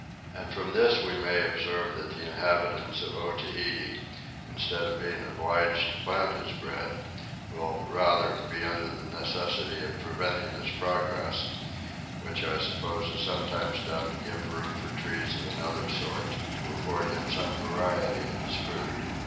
And from this we may observe that the inhabitant of Otaheite, instead of being obliged to plant his bread, will RATHER be under the necessity of preventing its progress; which I suppose is sometimes done to give room for trees of another sort, to afford him some variety in his food.